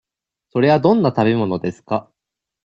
それはどんな食べ物ですか。